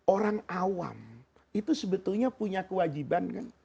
orang awam itu sebetulnya punya kewajiban kan